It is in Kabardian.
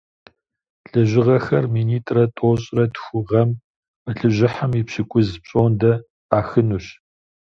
Лэжьыгъэхэр минитӏрэ тӏощӏрэ тху гъэм мэлыжьыхьым и пщыкӀуз пщӀондэ Ӏахынущ.